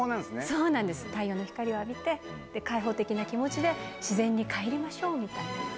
太陽の光を浴びて、開放的な気持ちで自然にかえりましょうみたいな。